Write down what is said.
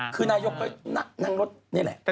คือนายกก็นั่งรถนี่แหละ